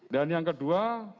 dan yang kedua